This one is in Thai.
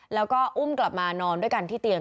แล้วก็อุ้มกลับมานอนด้วยกันที่เตียง